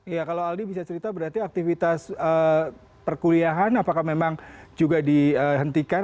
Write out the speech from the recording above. ya kalau aldi bisa cerita berarti aktivitas perkuliahan apakah memang juga dihentikan